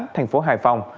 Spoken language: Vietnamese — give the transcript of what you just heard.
thành phố hải phòng